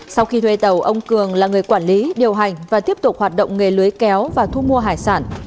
sau khi thuê tàu ông cường là người quản lý điều hành và tiếp tục hoạt động nghề lưới kéo và thu mua hải sản